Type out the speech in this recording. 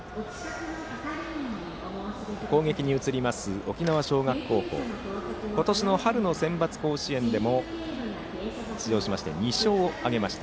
攻撃に移る沖縄尚学高校は今年の春のセンバツ甲子園でも出場しまして、２勝しました。